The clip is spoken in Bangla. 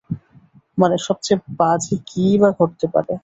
মানে, সবচেয়ে বাজে কী-ই বা ঘটতে পারে?